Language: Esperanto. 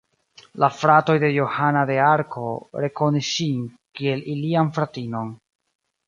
La fratoj de Johana de Arko rekonis ŝin kiel ilian fratinon.